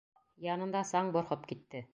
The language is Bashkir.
Янында саң борхоп китте.